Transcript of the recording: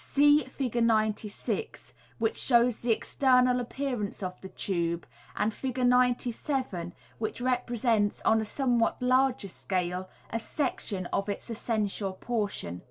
(See Fig. 96, which shows the external appearance of the tube, and Fig. 97, which represents, on a somewhat larger scale, a section of its essential portion.)